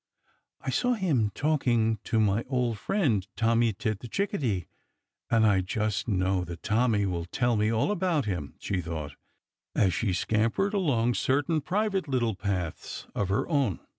"I saw him talking to my old friend Tommy Tit the Chickadee, and I just know that Tommy will tell me all about him," she thought, as she scampered along certain private little paths of her own.